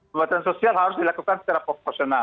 pembatasan sosial harus dilakukan secara proporsional